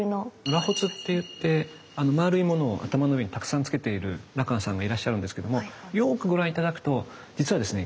螺髪っていって丸いものを頭の上にたくさんつけている羅漢さんがいらっしゃるんですけどもよくご覧頂くと実はですね